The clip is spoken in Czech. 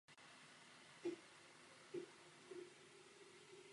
Integrovaná ochrana proti škůdcům musí být vždy vyvíjena flexibilně.